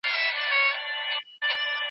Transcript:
پرده باید په سمه توګه راښکته شي.